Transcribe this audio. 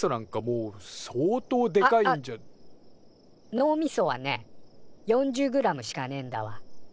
脳みそはね４０グラムしかねえんだわ。